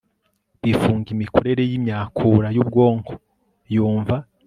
bifunga imikorere yimyakura yubwonko yumva